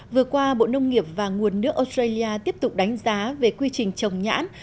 vừa qua bộ nông nghiệp và nguồn nước australia tiếp tục đánh giá về quy trình trồng nhãn